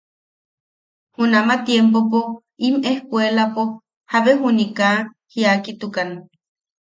Junama tiempopo im ejkkuelapo jabe juni kaa jiakitukan.